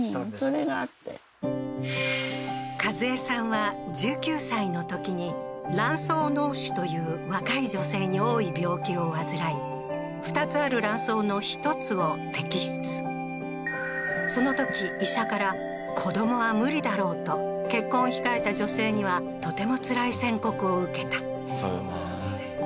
それがあって一江さんは１９歳のときに卵巣嚢腫という若い女性に多い病気を患い２つある卵巣の１つを摘出そのとき医者から子供は無理だろうと結婚を控えた女性にはとてもつらい宣告を受けたそうよね